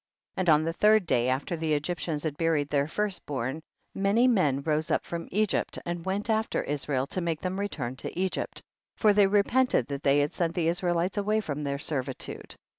8. And on the third day after the Egyptians had buried their first born, many men rose up from Egypt and went after Israel to make them return to Egypt, for they repented that they liad sent the Israelites away from their servitude.